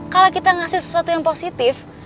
kalau kita ngasih sesuatu yang positif